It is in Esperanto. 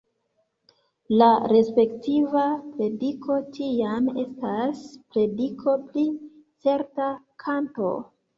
La respektiva prediko tiam estas prediko pri certa kanto.